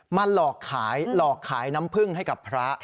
หลอกขายหลอกขายน้ำผึ้งให้กับพระ